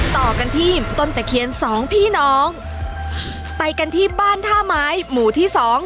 ต่อกันที่ต้นตะเคียนสองพี่น้องไปกันที่บ้านท่าไม้หมู่ที่สอง